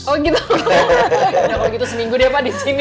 oh gitu ya kalau gitu seminggu deh pak di sini